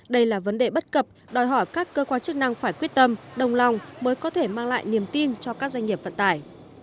đây là vấn đề bất cập đòi hỏi các cơ quan chức năng phải quyết tâm đồng lòng mới có thể mang lại niềm tin cho các doanh nghiệp vận tải